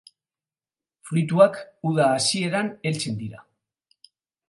Fruituak uda hasieran heltzen dira.